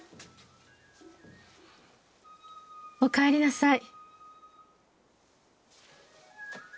おかえりなさい。